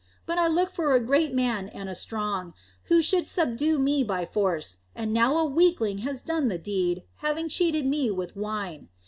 But I looked for a great man and a strong, who should subdue me by force, and now a weakling has done the deed, having cheated me with wine.